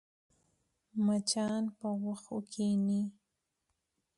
مچان پر غوښو کښېني